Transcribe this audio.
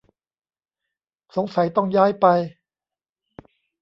สงสัยต้องย้ายไป